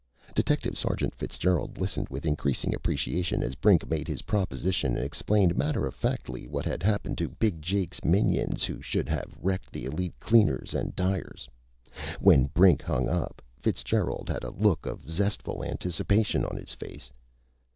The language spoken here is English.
Detective Sergeant Fitzgerald listened with increasing appreciation as Brink made his proposition and explained matter of factly what had happened to Big Jake's minions who should have wrecked the Elite Cleaners and Dyers. When Brink hung up, Fitzgerald had a look of zestful anticipation on his face.